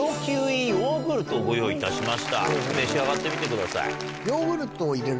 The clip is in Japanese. をご用意いたしました召し上がってみてください。